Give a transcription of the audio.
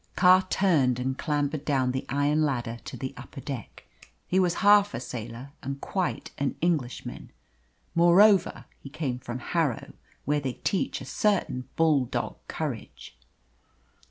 Carr turned and clambered down the iron ladder to the upper deck. He was half a sailor and quite an Englishman. Moreover he came from Harrow, where they teach a certain bull dog courage.